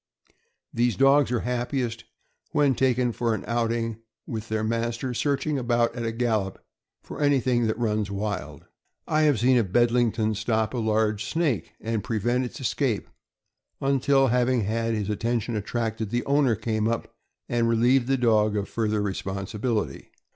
These dogs are happiest when taken for an outing with their master, searching about at a gallop for anything that runs wild. I have seen a Bedlington stop a large snake and prevent its escape until, having had his attention attracted, the owner came up and relieved the dog of further responsibility.